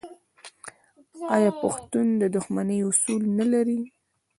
آیا پښتون د دښمنۍ اصول نلري؟